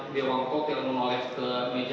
dia wangkok dia menoleh ke meja